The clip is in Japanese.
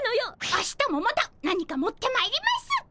明日もまた何か持ってまいります。